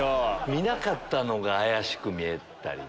見なかったのが怪しく見えたり。